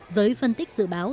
giới phân tích dự báo